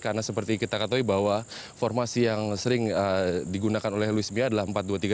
karena seperti kita ketahui bahwa formasi yang sering digunakan oleh louis mia adalah empat dua tiga satu